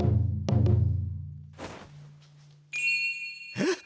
えっ？